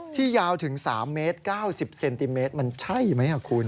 ยาวถึง๓เมตร๙๐เซนติเมตรมันใช่ไหมคุณ